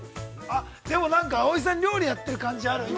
でも、なんか葵さん、料理やってる感じある。